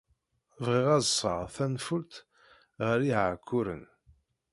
Bɣiɣ ad d-sɣeɣ tanfult ɣer Iɛekkuren.